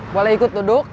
boleh ikut duduk